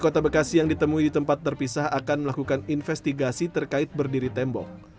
kota bekasi yang ditemui di tempat terpisah akan melakukan investigasi terkait berdiri tembok